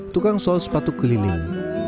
tukang sol sepatu keliling